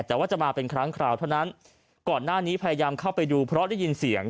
แต่ว่าจะมาเป็นครั้งคราวเท่านั้นก่อนหน้านี้พยายามเข้าไปดูเพราะได้ยินเสียง